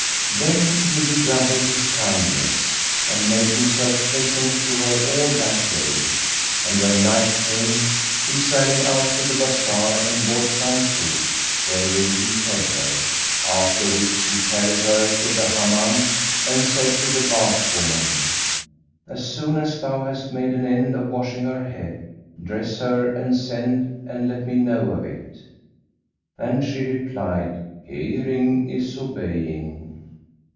Then he redoubled his kindness and made himself pleasant to her all that day, and when night came he sallied out to the bazar and bought some food, wherewith he fed her; after which he carried her to the Hammam and said to the bath woman, "As soon as thou hast made an end of washing her head, dress her and send and let me know of it." And she replied "Hearing is obeying."